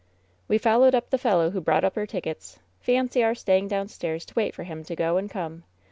"We followed up the fellow who brought up our tick ets. Fancy our staying downstairs to wait for him to go and come